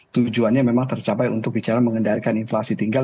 tujuannya memang tercapai untuk bicara mengendalikan inflasi tinggal